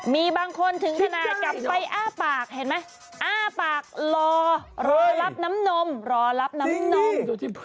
มีบางคนถึงขนาดกลับไปอ้าปากเห็นไหมอ้าปากรอรอรับน้ำนมรอรับน้ำนม